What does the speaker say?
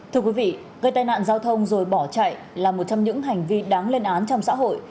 thưa quý vị gây tai nạn giao thông rồi bỏ chạy là một trong những hành vi đáng lên án trong xã hội